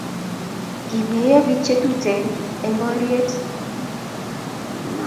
kimeyo pik che tuten eny boriet